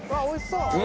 おいしい